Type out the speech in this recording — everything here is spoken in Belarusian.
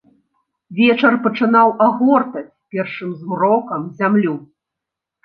Вечар пачынаў агортаць першым змрокам зямлю.